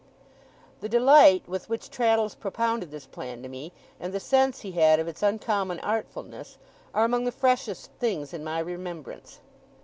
The delight with which Traddles propounded this plan to me, and the sense he had of its uncommon artfulness, are among the freshest things in my remembrance.